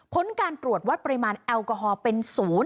ผลการตรวจวัดปริมาณแอลกอฮอลเป็น๐